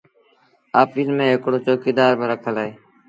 آڦيٚس ميݩ هڪڙو چوڪيٚدآر با رکل اهي۔